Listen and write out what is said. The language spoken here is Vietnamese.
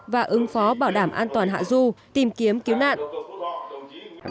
và ứng phó bảo đảm an toàn hạ du tìm kiếm cứu nạn